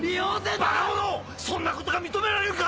そんなことが認められるか！